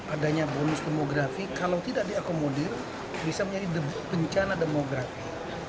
adanya bonus demografi kalau tidak diakomodir bisa menjadi bencana demografi